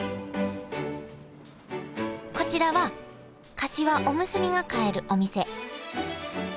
こちらはかしわおむすびが買えるお店。